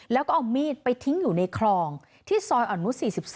แล้วก็เอามีดไปทิ้งอยู่ในคลองที่ซอยอ่อนนุษ๔๒